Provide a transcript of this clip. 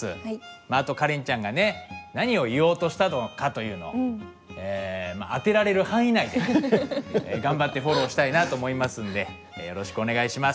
まああとカレンちゃんがね何を言おうとしたのかというのをまあ当てられる範囲内で頑張ってフォローしたいなと思いますんでよろしくお願いします。